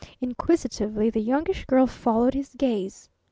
Inquisitively the Youngish Girl followed his gaze.